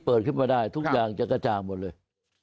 ขึ้นมาได้ทุกอย่างจะกระจ่างหมดเลย